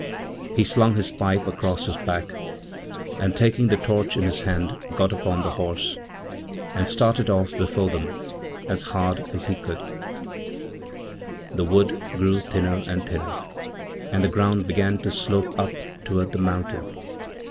He slung the pipe across his back, and, takingthe torch in his hand, got upon the horse, and started off beforethem, as hard as he could go. The wood grew thinner and thinner, and the ground began to slope uptoward the mountain.